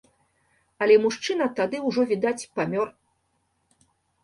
Але мужчына тады ўжо, відаць, памёр.